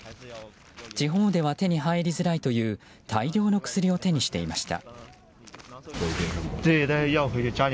地方では手に入りづらいという大量の薬を手にしていました。